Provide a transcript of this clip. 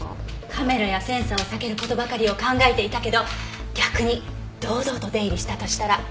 カメラやセンサーを避ける事ばかりを考えていたけど逆に堂々と出入りしたとしたら。